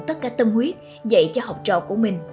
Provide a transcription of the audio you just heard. tất cả tâm huyết dạy cho học trò của mình